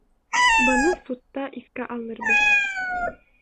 Быны судта иҫкә алырбыҙ.